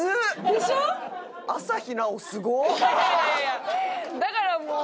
いやいやいやだからもう。